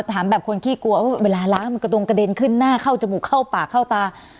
ถามแบบคนขี้กลัวว่าเวลาล้างมันกระดงกระเด็นขึ้นหน้าเข้าจมูกเข้าปากเข้าตา